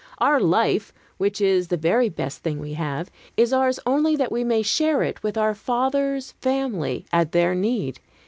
Our life which is the very best thing we have is ours only that we may share it with Our Father's family, at their need.